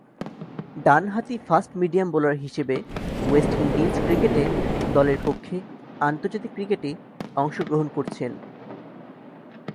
ডানহাতি fast medium bowler হিসেবে West Indies cricket দলের পক্ষে আন্তর্জাতিক ক্রিকেটে অংশগ্রহণ করছেন।